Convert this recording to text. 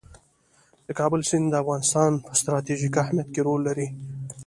د کابل سیند د افغانستان په ستراتیژیک اهمیت کې رول لري.